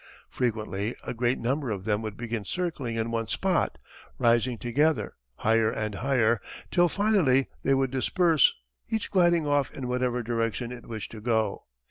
Frequently a great number of them would begin circling in one spot, rising together higher and higher till finally they would disperse, each gliding off in whatever direction it wished to go.